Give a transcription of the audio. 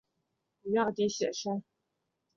於澳底写生